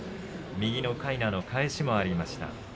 右のかいなの返しもありました。